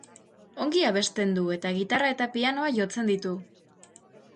Ongi abesten du eta gitarra eta pianoa jotzen ditu.